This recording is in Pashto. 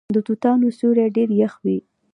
د توتانو سیوری ډیر یخ وي.